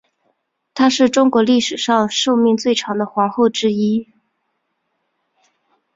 她是中国历史上寿命最长的皇后之一。